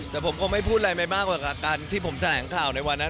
แต่ผมคงไม่พูดอะไรไปมากกว่ากับการที่ผมแถลงข่าวในวันนั้น